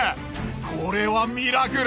これはミラクル！